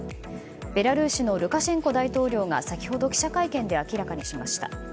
ベラルーシのルカシェンコ大統領が先ほど記者会見で明らかにしました。